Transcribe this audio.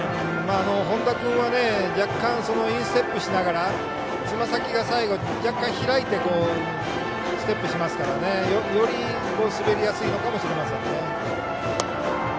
本田君は若干インステップしながらつま先が最後、若干開いてステップしますからより滑りやすいのかもしれません。